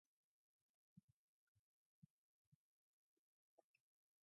The Pittsburgh Light Rail has three types of stations.